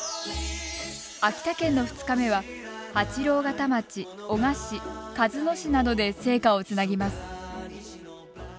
秋田県の２日目は八郎潟町男鹿市鹿角市などで聖火をつなぎます。